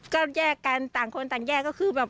ก็แยกกันต่างคนต่างแยกก็คือแบบ